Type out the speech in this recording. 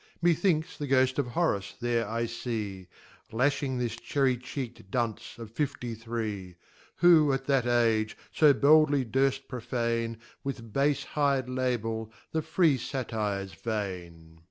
■ Methinks the Ghoft of Horace there I fee, Laming this Cherry cbeeJ(d Dunce of Fifty three j Who, at that age, fo boldly durft profane, With bafe hir'd Libel, the free Satyrs Vein.